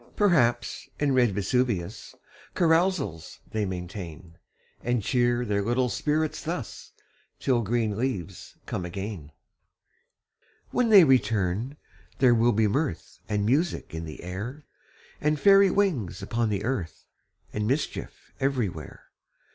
Perhaps, in red Vesuvius Carousals they maintain ; And cheer their little spirits thus, Till green leaves come again. When they return, there will be mirth And music in the air, And fairy wings upon the earth, And mischief everywhere.